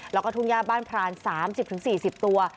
แล้วก็ทุ่งย่าบ้านพราน๓๐๔๐ตัว